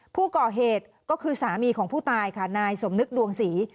ผู้ก่อเหตุก็คือสามีของผู้ตายค่ะนายสมนึกดวงศรี